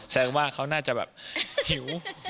แสดงว่าเขาน่าจะแบบหิว